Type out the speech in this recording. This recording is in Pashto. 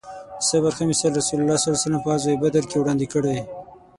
د صبر ښه مثال رسول الله ص په غزوه بدر کې وړاندې کړی